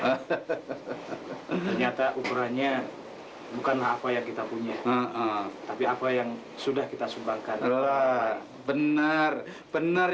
hahaha ternyata ukurannya bukanlah apa yang kita punya tapi apa yang sudah kita sumbangkan wah benar benar